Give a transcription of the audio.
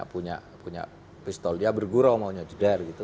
punya pistol dia bergurau maunya jedar gitu